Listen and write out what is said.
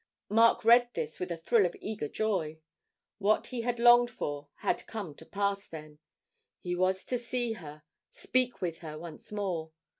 Mark read this with a thrill of eager joy. What he had longed for had come to pass, then; he was to see her, speak with her, once more.